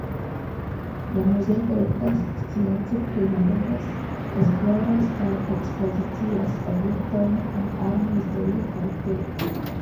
La muzeo kolektas, science prilaboras, esploras kaj ekspozicias objektojn kun arme-historia karaktero.